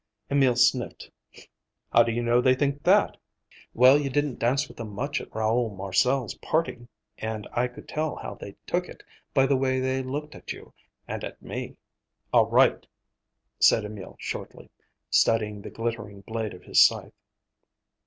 Emil sniffed. "How do you know they think that?" "Well, you didn't dance with them much at Raoul Marcel's party, and I could tell how they took it by the way they looked at you—and at me." "All right," said Emil shortly, studying the glittering blade of his scythe.